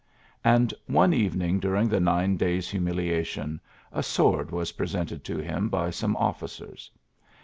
'^ d one evening during the nine days^ niliation, a sword was presented to a by some ofBicers.